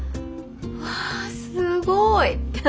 わあすごい！